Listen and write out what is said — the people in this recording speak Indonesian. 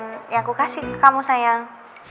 jadi ini perhatian yang aku kasih ke kamu sayang